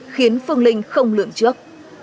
khiến phương linh không lượm trước